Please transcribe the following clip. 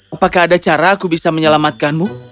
apakah ada cara aku bisa menyelamatkanmu